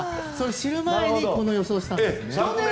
知る前にこの予想をしたんですね。